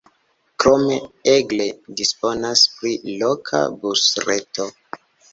Krome Aigle disponas pri loka busreto.